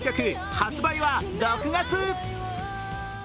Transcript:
発売は６月。